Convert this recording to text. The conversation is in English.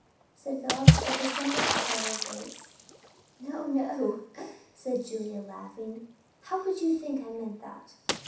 said Philip, with a somewhat startled face. "No, no!" said Julia, laughing "how could you think I meant that?